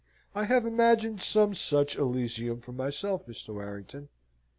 I have imagined some such Elysium for myself, Mr. Warrington.